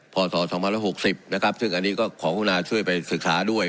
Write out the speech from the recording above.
พศ๒๐๖๐นะครับซึ่งอันนี้ก็ขอคุณอาช่วยไปศึกษาด้วย